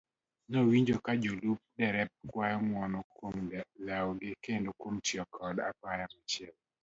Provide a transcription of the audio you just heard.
Nowinjo kajalup dereba kwayo ng'uono kuom lewogi kendo kuom tiyo koda apaya machielo.